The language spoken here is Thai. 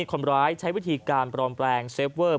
คนร้ายใช้วิธีการปลอมแปลงเซฟเวอร์